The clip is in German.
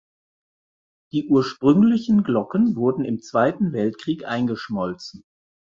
Die ursprünglichen Glocken wurden im Zweiten Weltkrieg eingeschmolzen.